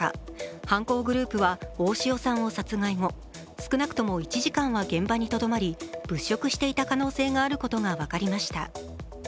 犯行グループは大塩衣与さんの殺害後、少なくとも１時間は現場にとどまり物色していた可能性があることが分かりました。